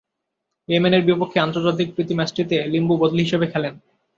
Yemen এর বিপক্ষে আন্তর্জাতিক প্রীতি ম্যাচটিতে লিম্বু বদলি হিসেবে খেলেন।